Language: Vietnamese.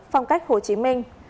phong cách hồ chí minh